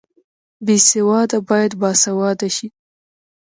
بې سواده باید باسواده شي